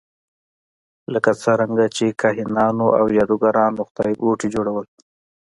لکه څرنګه چې کاهنانو او جادوګرانو خدایګوټي جوړول.